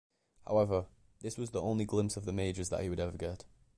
However, this was the only glimpse of the majors that he would ever get.